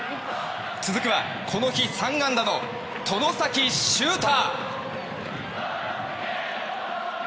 続くは、この日３安打の外崎修汰。